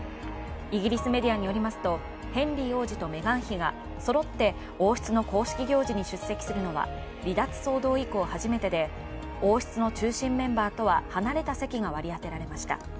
イギリスメディアによりますと、ヘンリー王子とメガン妃がそろって王室の公式行事に出席するのは、離脱騒動以降初めてで、王室の中心メンバーとは離れた席が割り当てられました。